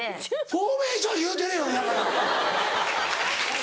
フォーメーション言うてるよねだから！